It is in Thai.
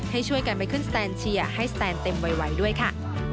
ให้ช่วยกันไปขึ้นสแตนเชียร์ให้สแตนเต็มไวด้วยค่ะ